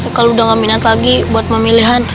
kalau udah gak minat lagi buat pemilihan